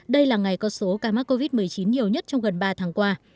đây là ngày có số ca mắc covid một mươi chín nhiều nhất trong gần ba tháng qua